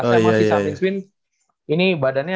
ini badannya jadi agak sedikit lebih besar ya